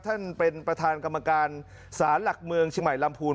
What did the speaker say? ท่านประธานกรรมการศาลหลักเมืองเชียงใหม่ลำพูน